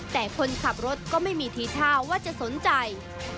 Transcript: แต่คนขับรถก็ไม่มีทีท่าว่าจะสนใจ